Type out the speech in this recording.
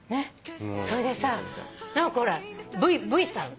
それでさ直君ほらＶさん。